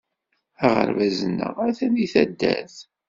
Aɣerbaz-nneɣ atan deg taddart.